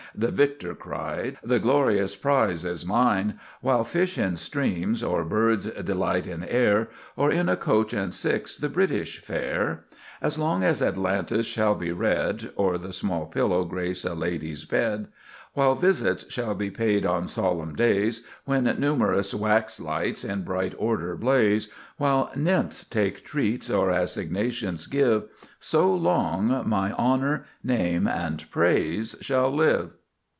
(The victor cried); the glorious prize is mine! While fish in streams, or birds delight in air, Or in a coach and six the British fair; As long as Atalantis shall be read, Or the small pillow grace a lady's bed; While visits shall be paid on solemn days, When numerous wax lights in bright order blaze; While nymphs take treats, or assignations give, So long my honor, name, and praise shall live!"